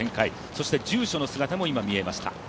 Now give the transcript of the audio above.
そして住所の姿も今、見えました。